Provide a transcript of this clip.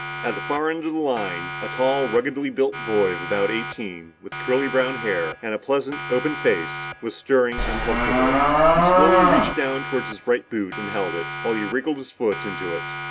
At the far end of the line, a tall, ruggedly built boy of about eighteen, with curly brown hair and a pleasant, open face, was stirring uncomfortably. He slowly reached down toward his right boot and held it, while he wriggled his foot into it.